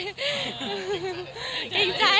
เก่งใจ